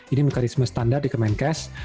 ini mekanisme standar di kemenkes